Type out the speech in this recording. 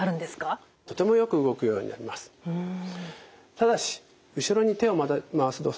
ただし後ろに手を回す動作